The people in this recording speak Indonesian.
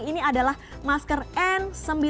ini adalah masker n sembilan puluh